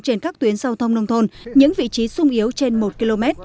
trên các tuyến giao thông nông thôn những vị trí sung yếu trên một km